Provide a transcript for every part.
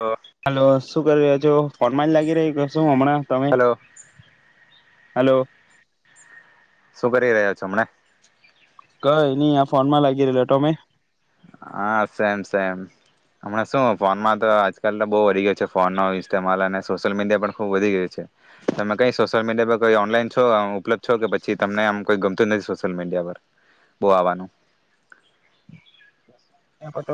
હા. હલો શું કરી રહ્યો છ ફોન લાગી રહ્યું શું હમણાં? તમે હલો. હલો. શું કરી રહ્યા છો હમણાં? કઈ નહી આ ફોનમાં લાગી રહલો હતો ટમે? હા સેમ સેમ હમણા શું ફોનમાં તો આજકાલ તો બહુ વધી ગયો છે ફોન ન ઇતેમાલ અને સોશિયલ મીડિયા પણ ખુબ વધી ગય છે તમે કઈ સોશિયલ મીડિયા પર કોઈ ઓનલાઈન છો ઉપલબ્ધ છો કે પછી તમને આમ કોઈ ગ નથી સોશિલ મીડિયા પર બવ આવવાનું.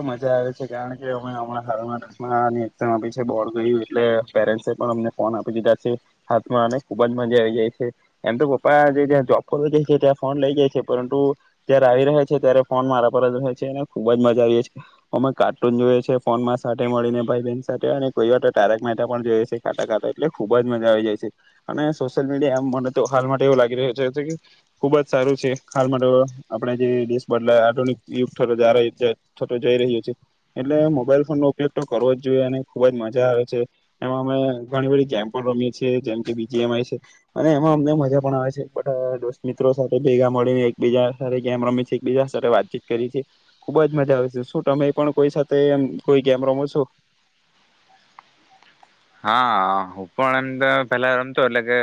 મજા આવે કારણ કે અમે હમણાં હ આપી છે બો ગયું એટલે પેરેન્ટ પણ અમને ફોન આપી દીધા છે હામાં ખુબ જ મજા આવી જાય છે એમ તો પપ્પા જે જોબ ફ જાય છે ત્યાં ફોન લઇ જાય છે પરંતુ જયારે આવી રહ્યા છે ત્યારે ફોન મારા પર જ હો છે. ખુબ જ મજા આવીીએ અમે કાર્ટૂન જોઈએ છે ફોનમાં સાથે મળીને ભાઈ બહેન સાથે કોઈ વાર તારક મહેતા પણ જોઈએ છે ખાતા ખાતા એટલે ખુબ જ મજા આવી જાય છે અને સોશિયલ મીડિયામ મને તો હાલ માટે એવું લાગી રહ્યો છે ખુબ જ સારું છે હાલ માટે આપે જે દેશ બદલા આધુનિક યુગ જારે થતો જઈ રહ્યો છે એટલે મોબાઈલ ફોન નો ઉપયોગ તો કરવો જ જોઈએ અને ખુબ જ મજા આવે છે એમાં અમે ઘણી બધી ગેમ પણ રમીએ છેીએ જેમ કે બીજી એમય છે અને એમાં અમને મજા પણ આવે છેાોસ્ત મિત્રો સાથે ભેગા મળીને એકબીજા સાથે ગમ રમી છે એકીજા સાથે વાતચીત કરી છે. ખુબ જ મજા આવે છે શું તમે પણ કોઈ સાથે એમ કોઈ કેમરોમાં છો. હા હું પણ એમ તો પેલા રમતો એટલે કે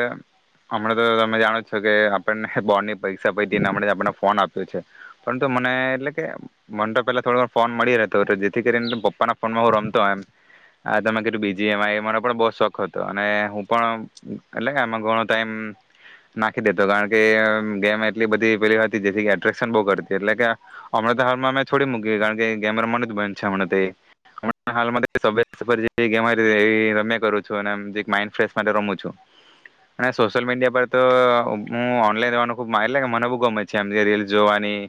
હમણાં તો તમે જાણો છો કે આપને બોનની પરીક્ષા પ હતીનેમ આપને ફોન આપ્યો છે પરંતુ મને એટલે કે મને તો પેલા થોડો ફોન મળી રહેતો જેથી કરીને પપ્પાના ફોનમાં હું રમતો એમ તમે કીધું બીજીમ રો પણ બહ શોખ હતો અને હું પણ એટલે કે આમાં ઘણો ટાઈમ નાખી દેતો કારણ કે ગેમ એટલી બધી પેલી હતી જેથી એટ્રેક્શન બહુ કરતી એટલે કે હમણા તો હાલમાં મેમે છોડી મૂકી કારણ કે ગેમ મન જ બન છે હમણાં ગ રમે કરું છું અને જે એક માઇન્ડ ફ્રેશ માટે રમું છું અને સોશિયલ મીડિયા પર તો હું ઓનલાઈન રવાનું ખૂબ એટલે કે મને બહુ ગમે છે આમ જે રીલ્સ જોવાની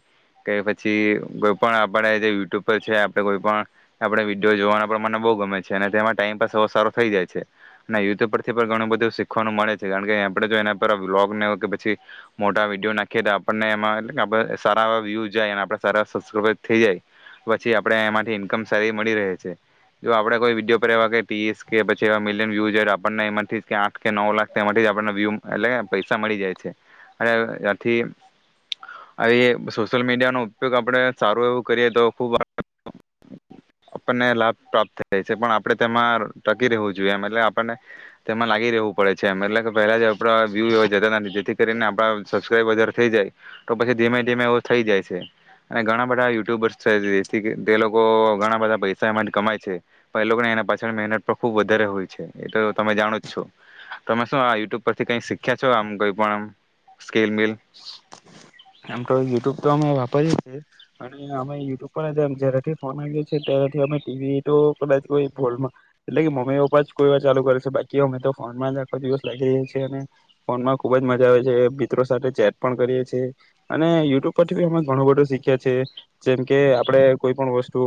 કે પછી કોઈ પણ આપણે જે યુટ્યુબ પર છે આપણે કોઈ પણ આપણે વિડીયો જોવાના પણ મને બહુ ગમે છે અને તેમાં ટાઈમપાસો સારો થઈ જાય છે અને યુટ્યુબ પરથી પણ ઘણું બધું શીખવાનું મળે છે કારણ કે આપણે જો એના પર વ્લોગને કે પછી મોટા વિડીયો નાખીએ તો આપણને એમાં એ આપ સારા એવા વ્યુ જાય આપણે સારા સબસ્ક્રાઈબર થઈ જાય પછી આપણે એમાંથી ઇન્કમ સારી મળી રહે છે જો આપણે કોઈ વિડીયો પર એવા ટી કે પછી એવા મિલિયન યુઝર આપણને એમાંથી જ કે આં કે નવ લાખ તે માટે જ આપ વ્યુમ એટલે પૈસા મળી જાય છે અને ત્યાથી આવી સોશિયલ મીડિયાનો ઉપયોગ આપણે સારું એવું કરીએ તો ખૂબ આપણને લાભ પ્રાપ્ત થાય છે પણ આપણે તેમાં ટકી રહેવું જોઈએ એમ એટલે આપણને તેમાં લાગી રહેવું પડે છે એમ એટલે પહેલા જે આપડ વ્યુ એવા જતા હતા જેથી કરીને આપ સબસ્ક્રાઈબારે થઈ જાય તો પછી ધીમે ધીમે થઈ જાય છે અને ઘણા બધા યુટ્યુબર્સ છે જેથી તે લોકો ઘણા બધા પૈસા એમાંથી કમાય છે પણ એ લોકોને એના પાછળ મહેનત ખુબ વધારે હોય છે એ તો તમે જાણો જ છો તમે શું આ યુટ્યુબ પરથી કઈ શીખ્યા છો આમ કઈ પણ સ્કેલ મિલ આમ તો યુટ્યુબ તો અમે ભ અને અમે યુટ્યુબ પર જથી ફોન આવીએ છીએ તથી અમે ટીવી તો કદાચ એટલે કે મમ્મીપ કોઈ વાર ચાલુ કરે છે બાકી અમે તો ફોનમાં આખો દિવસ લાગી રહ્યા છે અને ફોન માં ખુબ જ મજા આવે છે. સાથે ચેટ પણ કરીએ છીએ અને યુટ્યુબ પરથીી અમે ઘણું બધું શીખીએીએ જેમ કે આપડે કોઈ પણ વસ્તુ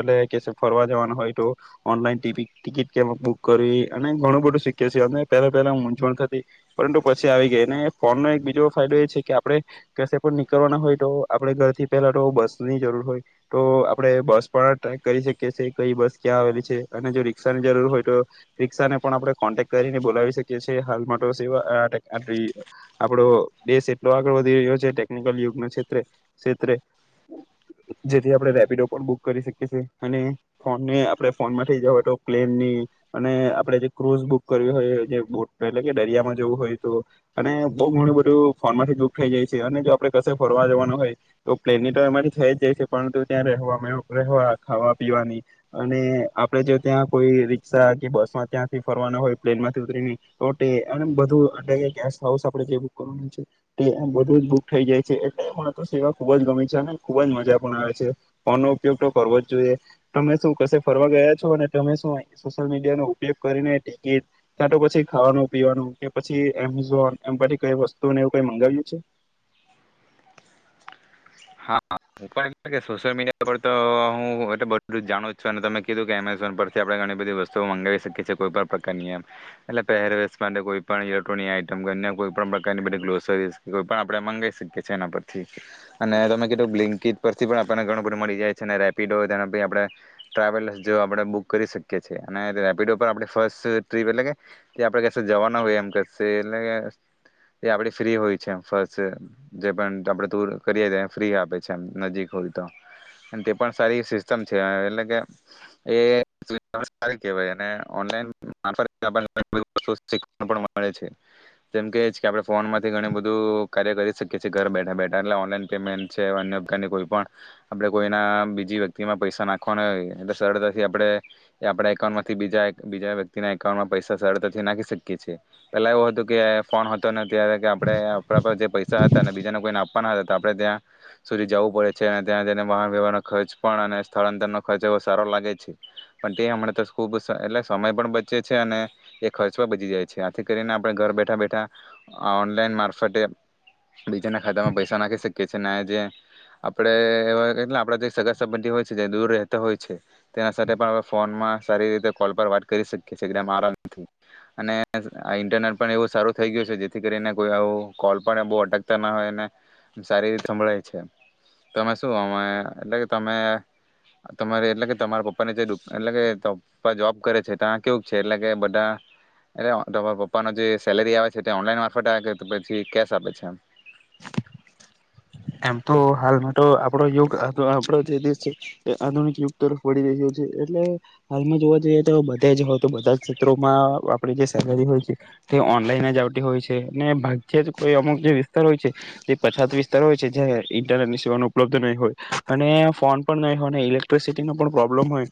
એટલે કે ફરવા જવાનું હોય તો ઓનલાઈન ટિકિટ કે બુક કરવી અને ઘણું બધું શીખીએ છીએ અ પહેલા પહેલા મૂંઝવણ થતી પરંતુ પછી આવી ગઈ. અને ફોનનો એક બીજો ફાયદો એ છે કે આપણે કશે પણ નીકળવાના હોય તો આપણે ઘરથી પેલા તો બસ ની જરૂર હોય તો આપડણે બસ પણ ટ્રેક કરી શકીએ છેએ કઈ બસ ક્યાં આવેલી છે અને જો રી્ષા ની જરૂર હોય તો રી્ષાને પણ આપણે કોન્ટેક્ટ કરીને બોલાવી શકીએ છીએ હાલમાં તો સ આપડો દેશ એટલો આગળ વધી રહ્યો છે ટેકનિકલ યુગ ક્ષેત્રે ક્ષેત્રે જેથી આપણે રેપિડો પણ બુક કરી શકીએ છી અને ફોનને આપણે ફોન માં થઇ જવા તો પ્લેનની અને આપે જે ક્રૂઝ બુક કરવી હોય જે બોટ એટલે કે દરિયામાં જવું હોય તો અને બહુ ઘણું બધું ફોન માંથી બુક થઈ જાય છે અને જો આપણે કશે ફરવા જવાનું હોય તો પ્લેનની ટાઈમમાંથી થઈ જ જાય છે પરંતુ ત્યાં રહેવા રહેવા ખાવા પીવાની અને આપણે જો ત્યાં કોઈ રિક્ષા કે બસમાં ત્યાંથી ફરવાનો હોય પ્લેનમાંથી ઉતરી તો બધું એટલે કે ગ હાઉસ આપણે જે બુક કરવાનું છે તે બધું જ બુક થઈ જાય છે એટલે પણ તો સેવા ખુબ જ ગમેી છે અને ખુબ જ મજા પણ આવે છે ફોનનોો ઉપયોગ તો કરવો જ જોઈએ તમે શું કશે ફરવા ગયા છો અને તમે શું અહી સોશિયલ મીડિયા નો ઉપયોગ કરીને ટિકિટ ક્યાં તો પછી ખાવાનું પીવાનું કે પછી એમેઝોન એમ પછી કઈ વસ્તુને એવું કઈ મંગાવ્યું છે. હા હું પણ સોશિયલ મીડિયા પર તો હું એટલે બધ જાણું છું અને તમે કીધું કે એમેઝોન પરથી આપણે ઘણી બધી વસ્તુઓ મંગાવી શકીએીએ કોઈ પણ પ્રકારની એમ એટલે પહેરવેશ માટે કોઈ પણ ઇલેક્ટ્રોનિક આઈટમ કોઈ પણ પ્રકારની બધ ગસરીઝ કોઈ પણ આપણે મંગાવી શકીએ છએ એના પરથી અને તમે કીધ લિંકજ પરથી પણ આપણને ઘણું બધું મળી જાય છે અને રેપિડો તેના બી આપણે ટ્રાવેલ્સ જો આપણે બુક કરી શકીએ છીએ અને રેપિડો પર આપણે ફર્સ્ટ ટ્રીપ એટલે કે તે આપણે ક જવાના હોય એમ કરશે એટલે કે એ આપણી ફ્રી હોય છે એ ફસ્ટ જે પણ આપણે તૂર કરી ફ્રી આપે છેમ નજીક હોય તો અને તે પણ સારી સિસ્ટમ છે એટલે કે એહેવાય જેકે આપણે ફોન માંથી ઘ બધું કાર્ય કરી શકીએ છએ ઘર બેઠા બેઠા એલે ઓલાન પેમેન્ટ છે અન્યની કોઈ પણ આપડણે કોઈના બીજી વ્યક્તિમાં પૈસા નાખવાના હો એટલે સરળતાથી આપણે આપણા એકાઉન્ટમાંથી બજા બીજા વ્યક્તિના એકાઉન્ટમાં પૈસા સરળતાથી નાખી શકીએ છીએ પેલા એવો હતું કે ફોન હતો ને અ્યારે કે આપણેે આપણા જે પૈસા હતા અનેને બીજાને કોઈને આપવાના હતા. આપણે ત્યાં સુધી જવું પડે છે અને ત્યાં તેને વાહન વ્યવહારનો ખર્ચ પણ અને સ્થળાંતર ન ખર્ચ એવ સારો લાગે છે પણ તે હમ તો ખુબ એટલે સમય પણ બચે છે અને એ ખર્ચ પણ બચી જાય છે આથી કરીને આપણે ઘર બેઠા બેઠા ઓનલાઈન મારફતે બીજાના ખાતામાં પૈસા નાખી આપણે એ આપ જે સગા સંબંધી હોય છે દૂર રહેતા હોય છે તેના સાથે પણ આપ ફોનમાં સારી રીતે કોલ પર વાત કરી શકીએ છીએમ આરામ નથી અને ઇન્ટરનેટ પણ એવું સારું થઈ ગયું છે જેથી કરીને કોઈ આવ કોલ પણ બહ અટકતા ના હોય. સારી રીતે સંભળાય છે તમે શું અમે એટલે કે તમે તમા એટલે કે તમારા પપ્પાની જે એટ કે પ્પા જોબ કરે છે ત કેવું છે એટલે કે બધા એ પપ્પાનો જે સેલેરી આવે છે ઓનલા માર આવે પછી કે આપે છે. એમ તો હાલમાં તો આપડો યુગ આપો જે દેશ છે એ આધુનિક યુગ તરફ વળી રહ્યો છે એટલે હાલમાં જોવા જઈએ તો બધા જ હોય તો બધા ક્ષેત્રોમાં આપણી જે સેલરી હોય છે તે ઓનલાઈન જ આવતી હોય છે અને ભાગ્ય જ કોઈ અમુક જે વિસ્તાર હોય છે તે પછત વસ હોય છે જ ઈન્ટરનેટ ની સેવા ઉપલબ્ધ નહીં હોય અને ફોન પણ નહીં હોય ઇલેક્ટ્રિસિટી ન પણ પ્રોબ્લેમ હોય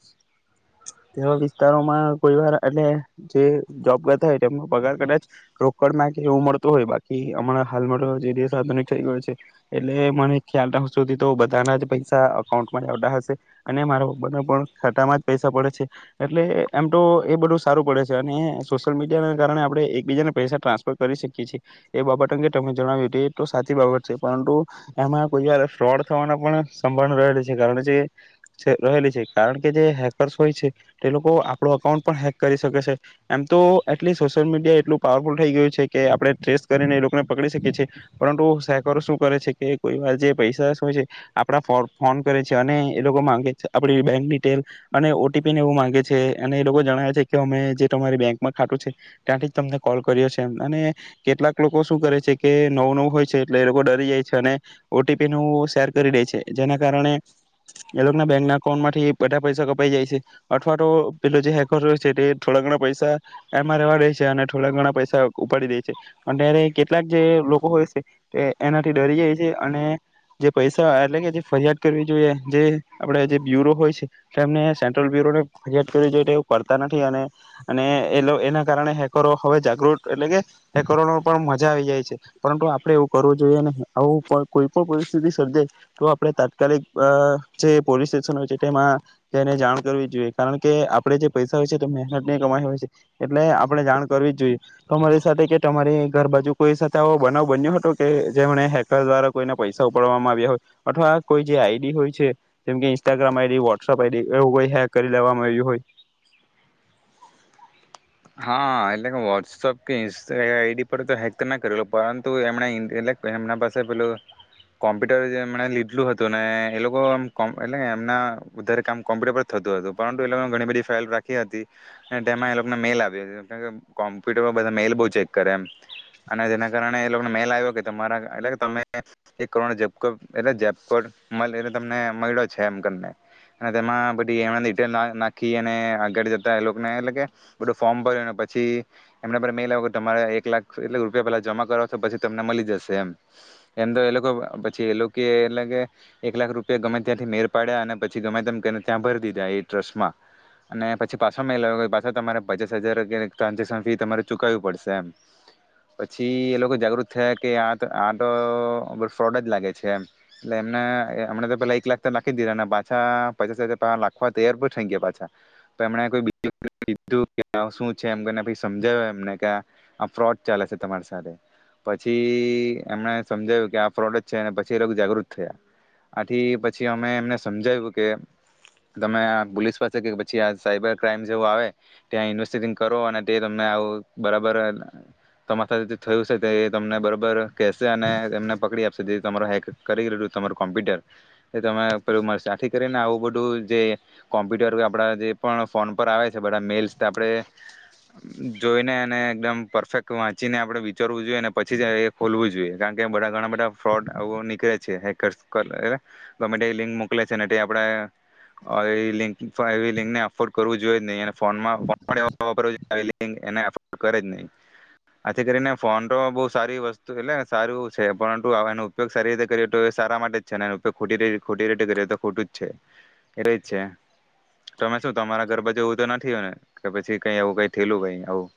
તેવા વિસ્તારોમાં કોઈ વાર એટ જે જોબગ હોય તેમનો પગાર કદાચ રોકડ માંગે એવું મળતું હોય બાકી અમા હાલમાં જે દધુનિક થઈ ગયો છે. એટલે મને ખ્યાલ રાખ સુધી તો બધાના જ પૈસા અકાઉન્ટમાં જ આવતા હશે અને મારા પ્બાના પણ ખાતામાં જ પૈસા પડે છે એટલે એમ તો એ બધું સારું પડે છે અને સોશિયલ મીડિયાના કારણે આપણે એકબીજાને પૈસા ટ્રાન્સફર કરી શકીએ છીએ એ બાબત અંગે તમને જણાવ્યું હત એ તો સાચી બાબત છે. પરંતુ એમાં કોઈ વાર ફ્રોડ થવાના પણ સંભાળ રહેલી છે કારણ જે રહેલી છે કારણ કે જે હેકર્સ હોય છે તે લોકો આપણો અકાઉન્ટ પણ હેક કરી શકે છે એમ તો એટલી સોશિયલ મીડિયા એટલું પાવરફુલ થઈ ગયું છે કે આપણે ટ્રેસ કરીને એ લોકોને પકડી શકીએ છીએ પરંતુ હેકરો શું કરે છે કોઈ વાર જે પૈસા હોય છે આપણા ફો ફોન કરે છે અને એ લોકો માંગે છે આપડી બેક ડિટેલ અને ઓટીપીને એવું માંગે છે અને એ લોકો જણાવે છે કે અમે જે તમારી બેંકમાં ખાતું છે ત્યાંથી જ તમને કોલ કર્યો છે અને કેટલાક લોકો શું કરે છે કે નવું નવું હોય છે એટલે એ લોકો થઈ જાય છે અને ઓટીપી ન શેર કરી દે છે જેના કારણે એ લોકોના બેંક ના અકાઉન્ટમાંથી બધા પૈસા કપાઈ જાય છે અથવા તો તે જે હેકર હોય છે તે થોડા ઘણા પૈસા એમાં રેવા દે છે અને થોડા ઘણા પૈસા ઉપાડી દે છે અત્યારે કેટલાક જે લોકો હોય છે એનાથી ડરી જાય છે અને જે પૈસા એટલે કે જે ફરિયાદ કરવી જોઈએ, જે આપડે જે બ્યુરો હોય છે એમને સેન્ટ્રલ બ્યુરોને ફરિયાદ કરવી જોઈએ. એવું કરતા નથી અને અને એ એના કારણે હેકરો હવે જાગૃત એટલે કે હેકરોનો પણ મજા આવી જાય છે. પરંતુ આપણે એવું કરવું જોઈએ આવું પણ કોઈ પણ પરિસ્થિતિ સર્જાય તો આપણે તાત્કાલિક જે પોલીસ સ્ટેશન હોય છે તેમાં જેને જાણ કરવી જ જોઈએ કારણ કે આપણે જે પૈસા હોય છે તો મહેનત નહી કમાઈ હોય છે એટલે આપણે જાણ કરવી જ જોઈએ તમારી સાથે કે તમારી ઘર બાાજુ કોઈ સાથે આવો બનાવ બન્યો હતો. કે જેમને હેકર દ્વારા કોઈને પૈસા ઉપાડવામાં આવ્યા હોય અથવા કોઈ જે આઈડી હોય છે જેમકે ઇન્સ્ટાગ્રામ આઈડી વોટ્સઅપ આઈડી એવું કોઈ હેક કરી લેવામાં આવ્યું હોય. હા એટલે કે વોટ્સઅપ કે ઇન્ આઈડી પર તો હેક તો ના કરેલ પરંતુ એમણે એટલે એમના પાસે પેલું કોમ્પ્યુટર એમણે લીધલું હતું ને એ લોકોટલે એમનાારે કામ કોમ્પ્યુટર પર થતું હતું પરંતુ એ લોકો ઘણી બધી ફાલ રાખી હતી તેમાં કોમ્પ્યુટરમાં બધ મેલ બઉચેક કરે એમએટલે કે અને જેના કારણે એ લોકોને મેલ આવ્યો કે તમારા એટલે કે એક કરોડએટલેતમને મળ્યો છે એમને તેમાં બધીિટેલ નાખી આગળ જતા એ લોકોને એટલે કે બધું ફોર્મ ભર પછી એમને મે લાવ્યો કે તમારે એક લાખ એટ રૂપિયા પેલા જમા કરવા તો પછી તમને મળી જશે એમ એમ તો એ લોકો પછી એ લોકો એટલે કે એક લાખ રૂપિયા ગમે ત્યાંથી મેર પાડ્યા અને પછી ગમે તને ત્યાં ભરી દીધા એ ટ્રસ્ટમાં અને પછી પાછો મે લાવ્યો પાછ તમારે પચાસ હજાર કે ટ્રાન્ઝેક્શન ફી તમારે ચુકાવવી પડશે પછી એ લોકો જાગૃત થયા કે આ આ તો ફ્રોડ જ લાગે છે એટલે એમને એમણે તો પેલા એક લાખ તો લખી જ દીધા ને પાછા પચાસ હજાર લખવા તૈયાર પર થઈ ગયા પાછા તો એમણે કોઈ કે શું છે એમને પછી સમજાવ એમને કે આ ફ્રોડ ચાલે છે તમારી સાથે પછી એમને સમજાવ્યું કે આ ફ્રોડ જ છે પછી એ લોકો જાગૃત થયા આથી પછી અમે એમને સમજાવ્યું કે તમે આ પોલીસ પાસે કે પછી આ સાયબર ક્રાઈમ જેવું આવે. ત્યાં ઇન્વેસ્ટંગ કરો અને તે તમને આવું બરાબર તમારા સાથે થયું છે એ તમને બરાબર કહેશે અને એને પકડી આપશે જે તમારો હેક કરીેું તમારું કોમ્પ્યુટર એ તમને પું મળશે્યાથી કરીને આવું બધું જે કોમ્પ્યુટર આપડા જે પણ ફોન પર આવે મેલ્સ આપણે જોઈને એકદમ પરફેક્ટ વાંચીને આપણે વિચારવું જોઈએ પછી જ એ ખોલવું જોઈએ કારણ કે બધા ઘણા બધા ફ્રોડ નીકળે છે હે ગમેતેવી લિંક મોકલે છેને એ લિંક ને એફોર્ડ કરવું જોઈ જ નહી. ફ કરે જ નહી આથી કરીને ફોન તો બ સારી વસ્તુ એટલે સારું છે પરંતુ એનો ઉપયોગ સારી રીતે કરી તો સારા માટે જ છેનેખોટી રીતે કરીએ તો ખોટું જ છે એ જ છે તમે શું તમારા ઘરબા જેવું તો ને કે પછી કઈ આવું કઈ થયેલું કઈ આવું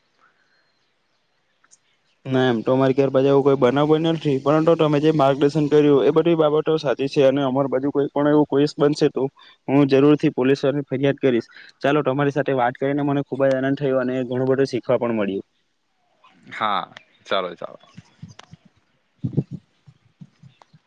ના એમ તોરી ક્યાર પછ એવું કોઈ બનાવન નથી પરંતુ તમે જે માર્ગદર્શન કર્યું એ બધી બાબતો સાચી છે અને અમાર બાજુ કોઈ એવું કોસ બનશે તો હું જરૂર થી પોલીસ વાળની ફરિયાદ કરીશ ચાલો તમારી સાથે વાત કરીને મને ખુબ જ આનંદ થયો અને ઘણું બધું શીખવા પણ મળ્યું. હા ચાલો. ચાલો હ.